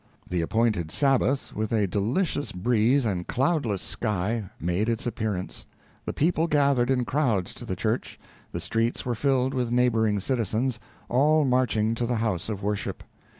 The appointed Sabbath, with a delicious breeze and cloudless sky, made its appearance. The people gathered in crowds to the church the streets were filled with neighboring citizens, all marching to the house of worship.